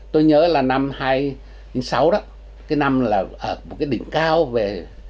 tôi nhớ là năm hai nghìn sáu đó cái năm là ở một cái đỉnh cao về